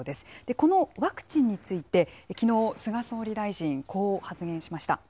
このワクチンについて、きのう、菅総理大臣、こう発言しました。